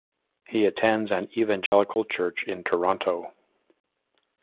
He attends an evangelical church in Toronto.